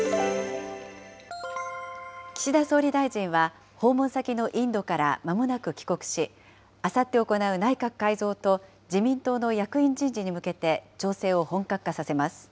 岸田総理大臣は、訪問先のインドからまもなく帰国し、あさって行う内閣改造と、自民党の役員人事に向けて、調整を本格化させます。